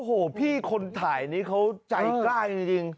โอ้โหพี่คนถ่ายนี้เขาใจกล้าจริง